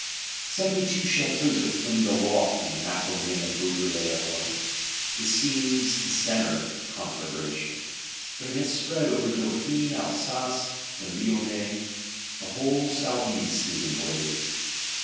Seventy two Châteaus have flamed aloft in the Maconnais and Beaujolais alone: this seems the centre of the conflagration; but it has spread over Dauphiné, Alsace, the Lyonnais; the whole South East is in a blaze.